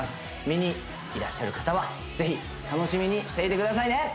見にいらっしゃる方はぜひ楽しみにしていてくださいね！